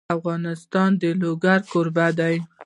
افغانستان د لوگر کوربه دی.